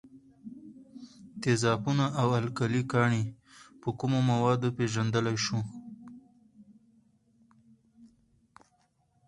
تیزابونه او القلي ګانې په کومو موادو پیژندلای شو؟